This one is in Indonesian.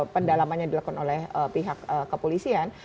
pendalamannya dilakukan oleh pihak kepolisian